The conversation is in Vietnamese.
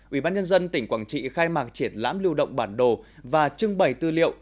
ubnd tỉnh quảng trị khai mạc triển lãm lưu động bản đồ và trưng bày tư liệu